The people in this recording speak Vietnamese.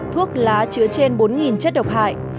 thuốc lá chứa trên bốn chất độc hại